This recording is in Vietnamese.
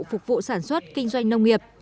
phục vụ sản xuất kinh doanh nông nghiệp